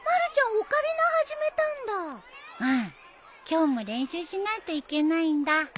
今日も練習しないといけないんだ。